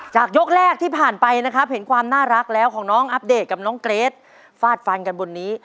ยกแรกที่ผ่านไปนะครับเห็นความน่ารักแล้วของน้องอัปเดตกับน้องเกรทฟาดฟันกันบนนี้